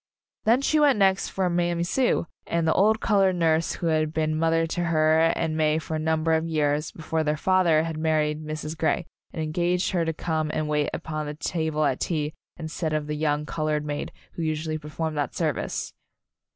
Then she went next for Mammy Sue, the old colored nurse who had been mother to her and May for a number of years before their father had married Mrs. Grey, and engaged her to come and wait upon the table at tea instead of the young colored maid who usually per formed that service.